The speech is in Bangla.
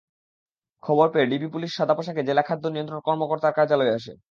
খবর পেয়ে ডিবি পুলিশ সাদা পোশাকে জেলা খাদ্য নিয়ন্ত্রণ কর্মকর্তার কার্যালয়ে আসে।